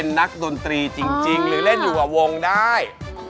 นักดนตรีจริงหรือเล่นอยู่กับวงได้